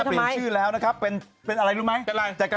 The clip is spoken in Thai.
พี่หนุ่มก็รู้จัก